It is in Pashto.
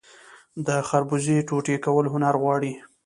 د خربوزې ټوټې کول هنر غواړي.